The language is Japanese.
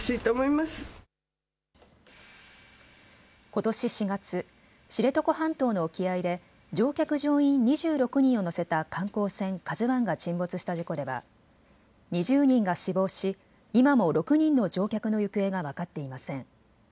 ことし４月、知床半島の沖合で乗客・乗員２６人を乗せた観光船ＫＡＺＵＩが沈没した事故では２０人が死亡し、今も６人の乗客の行方が分かっていません。